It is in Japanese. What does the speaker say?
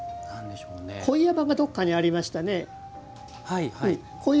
鯉山がどこかにありましたね。